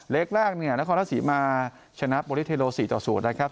เลขแรกเนี่ยนครทัศน์ศรีมาชนะโบริเทโร๔ต่อ๐นะครับ